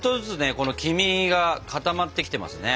この黄身が固まってきてますね。